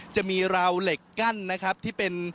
จะมีราวเหล็กกั้นนะครับที่เป็น